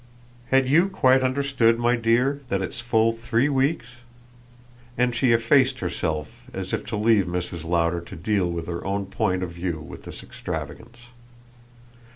"Had you quite understood, my dear, that it's full three weeks ?" And she effaced herself as if to leave Mrs. Lowder to deal from her own point of view with this extravagance.